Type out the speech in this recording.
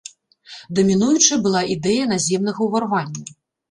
Дамінуючай была ідэя наземнага ўварвання.